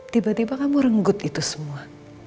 tiba tiba kamu renggut itu semua